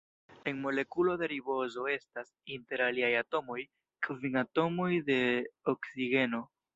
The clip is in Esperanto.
En molekulo de ribozo estas, inter aliaj atomoj, kvin atomoj de oksigeno.